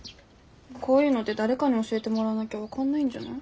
こういうのって誰かに教えてもらわなきゃ分かんないんじゃない？